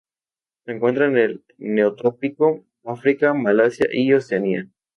Se encuentra en el neotrópico, África, Malasia y Oceanía.